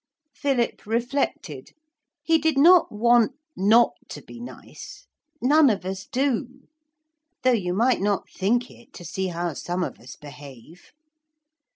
Philip reflected. He did not want not to be nice. None of us do. Though you might not think it to see how some of us behave.